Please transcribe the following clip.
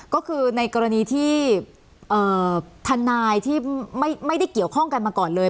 ก็คือในกรณีที่ทนายที่ไม่ได้เกี่ยวข้องกันมาก่อนเลย